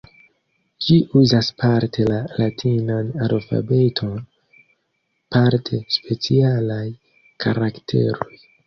Ĝi uzas parte la latinan alfabeton, parte specialaj karakteroj.